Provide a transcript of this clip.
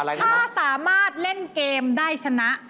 ถ้าสามารถเล่นเกมได้ชนะ